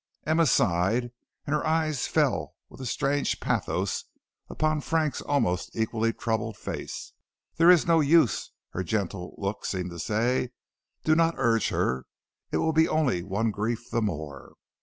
Emma sighed, and her eyes fell with a strange pathos upon Frank's almost equally troubled face. "There is no use," her gentle looks seemed to say. "Do not urge her; it will be only one grief the more."